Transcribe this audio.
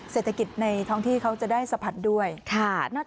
เศรษฐกิจในท้องที่เขาจะได้สะพัดด้วย